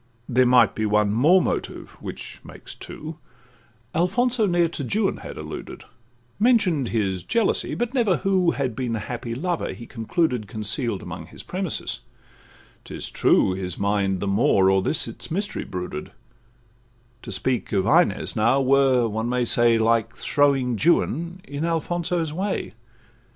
There might be one more motive, which makes two; Alfonso ne'er to Juan had alluded,— Mention'd his jealousy but never who Had been the happy lover, he concluded, Conceal'd amongst his premises; 'tis true, His mind the more o'er this its mystery brooded; To speak of Inez now were, one may say, Like throwing Juan in Alfonso's way.